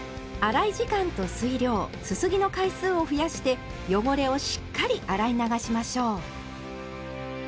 洗い時間と水量すすぎの回数を増やして汚れをしっかり洗い流しましょう。